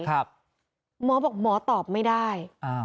หมอบอกหมอตอบไม่ได้